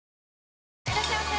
いらっしゃいませ！